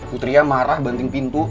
putri ya marah banting pintu